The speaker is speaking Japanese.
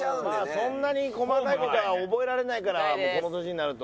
そんなに細かい事は覚えられないからこの年になると。